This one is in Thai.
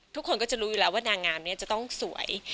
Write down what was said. ทุกคนก็จะรู้อยู่แล้วว่านางงามนี้จะต้องสวย